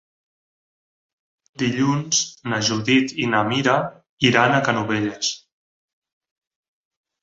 Dilluns na Judit i na Mira iran a Canovelles.